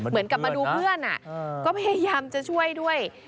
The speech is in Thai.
เหมือนกลับมาดูเพื่อนก็พยายามจะช่วยด้วย